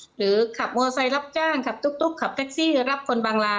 หรือขับมอเซลรับจ้างขับตุ๊กขับแท็กซี่รับคนบางลา